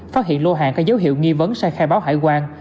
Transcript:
phát hiện lô hàng có dấu hiệu nghi vấn sang khai báo hải quan